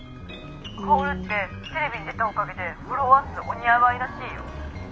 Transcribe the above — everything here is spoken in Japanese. カオルってテレビに出たおかげでフォロワー数鬼やばいらしいよ。